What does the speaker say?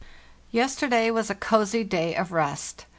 Yes terday was a cozy day of rest.